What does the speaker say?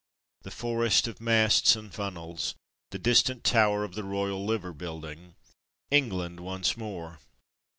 The forest of masts and funnels, the distant tower of the Royal Liver building ! England once more